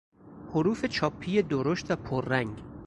حروف چاپی درشت و پررنگ